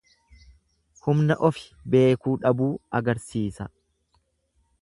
Humna ofi beekuu dhabuu agarsiisa.